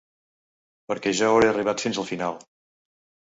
Perquè jo hauré arribat fins al final.